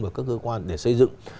và các cơ quan để xây dựng